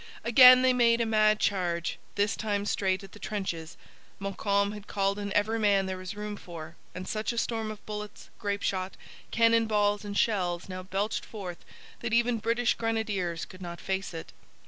Again they made a mad charge, this time straight at the trenches. Montcalm had called in every man there was room for, and such a storm of bullets, grape shot, cannon balls, and shells now belched forth that even British grenadiers could not face it.